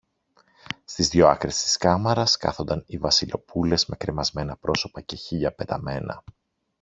στις δυο άκρες της κάμαρας, κάθονταν οι Βασιλοπούλες με κρεμασμένα πρόσωπα και χείλια πεταμένα